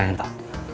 bentar ya pak